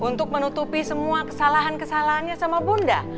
untuk menutupi semua kesalahan kesalahannya sama bunda